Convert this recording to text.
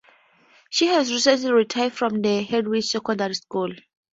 She has recently retired from the Harwich secondary school.